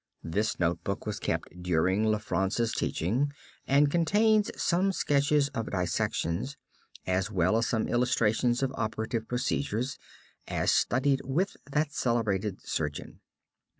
This notebook was kept during Lanfranc's teaching and contains some sketches of dissections, as well as some illustrations of operative procedures, as studied with that celebrated surgeon.